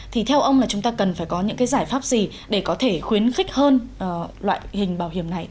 thì theo ông là chúng ta cần phải có những cái giải pháp gì để có thể khuyến khích hơn loại hình bảo hiểm này